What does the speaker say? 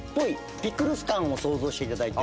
ピクルス感を想像していただいて。